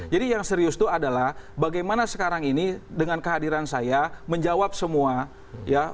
jadi yang serius tuh adalah bagaimana sekarang ini dengan kehadiran saya menjawab semua ya